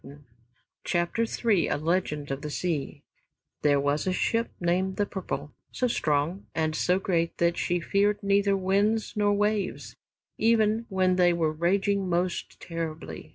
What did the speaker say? A LEGEND OF THE SEA III A LEGEND OF THE SEA There was a ship named "The Purple," so strong and so great that she feared neither winds nor waves, even when they were raging most terribly.